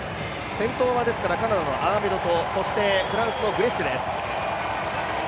先頭はですからカナダのアーメドとフランスのグレッシエです。